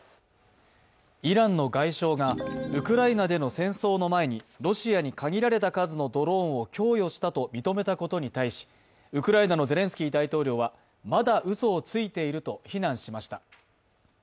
イランの外相がウクライナでの戦争の前にロシアに限られた数のドローンを供与したと認めたことに対し、ウクライナのゼレンスキー大統領は、まだうそをついていると非難しました。